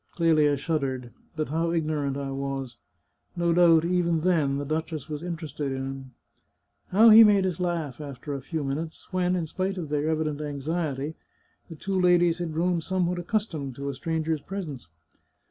Clelia shuddered. " But how ignorant I was ! No doubt, even then, the duchess was interested in him. ... How he made us laugh after a few minutes when, in spite of their evident anxiety, the two ladies had grown somewhat accustomed to a stranger's presence